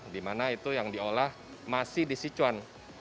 di mana itu yang diolah masih di sichuan